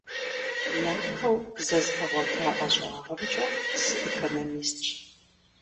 Япэу зэзгъэгъуэта ӀэщӀагъэмкӀэ сыэкономистщ.